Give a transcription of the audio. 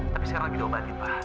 tapi sekarang diobatin pak